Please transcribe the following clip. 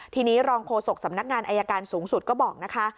ทีนี้รองโฆษกสำนักงานอายการสูงสุดก็บอกนะคะ